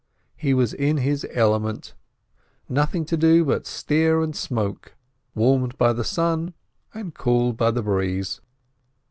He was in his element: nothing to do but steer and smoke, warmed by the sun and cooled by the breeze.